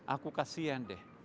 aku kasihan deh